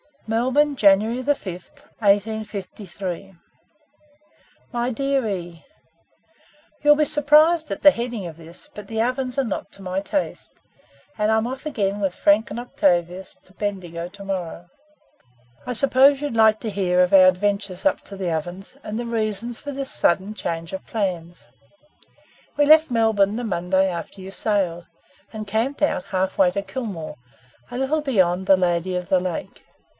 "Melbourne, January 5, 1853. "My dear E , "You'll be surprised at the heading of this but the Ovens are not to my taste, and I'm off again with Frank and Octavius to Bendigo tomorrow. I suppose you'll like to hear of our adventures up to the Ovens, and the reasons for this sudden change of plans. We left Melbourne the Monday after you sailed, and camped out half way to Kilmore, a little beyond the 'Lady of the Lake.'